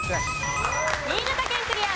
新潟県クリア。